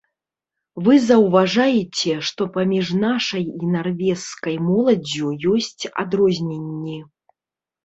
Вы заўважаеце, што паміж нашай і нарвежскай моладдзю ёсць адрозненні.